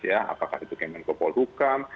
apakah itu kemenkopol hukum